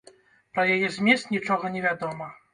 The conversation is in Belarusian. Пра яе змест нічога не вядома.